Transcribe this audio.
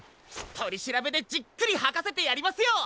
とりしらべでじっくりはかせてやりますよ！